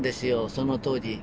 その当時。